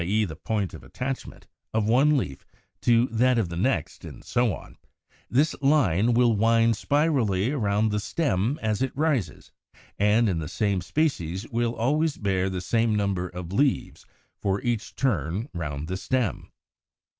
e. the point of attachment) of one leaf to that of the next, and so on, this line will wind spirally around the stem as it rises, and in the same species will always bear the same number of leaves for each turn round the stem.